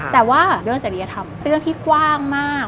แต่ว่าเรื่องจริยธรรมเป็นเรื่องที่กว้างมาก